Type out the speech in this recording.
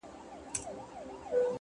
نیکي د وخت په حافظه کې ژوندۍ وي